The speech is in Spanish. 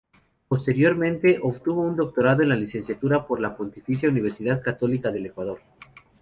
Posteriormente obtuvo un doctorado en Literatura por la Pontificia Universidad Católica del Ecuador.